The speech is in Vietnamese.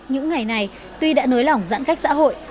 những ngày này tuy đã nới lỏng giãn cách xã hội